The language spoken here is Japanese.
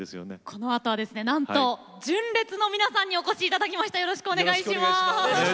このあとは、なんと純烈の皆さんにお越しいただきました。